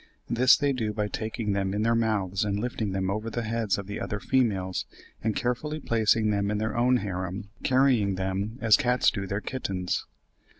This they do by taking them in their mouths and lifting them over the heads of the other females, and carefully placing them in their own harem, carrying them as cats do their kittens.